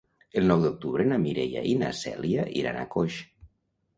El nou d'octubre na Mireia i na Cèlia iran a Coix.